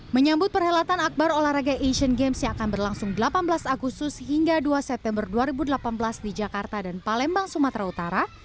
menyambut perhelatan akbar olahraga asian games yang akan berlangsung delapan belas agustus hingga dua september dua ribu delapan belas di jakarta dan palembang sumatera utara